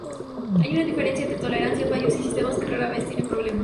Hay una diferencia entre tolerancia a fallos y sistemas que rara vez tienen problemas.